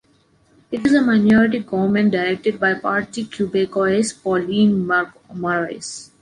It is a minority government directed by the Parti Québécois’ Pauline Marois.